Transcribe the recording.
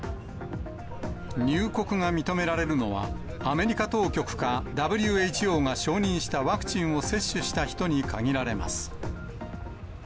入国が認められるのは、アメリカ当局かＷＨＯが承認したワクチンを接種した人に限られます。